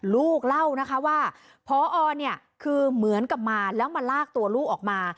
ลูกเล่านะคะว่าพอเนี่ยคือเหมือนกับมาแล้วมาลากตัวลูกออกมา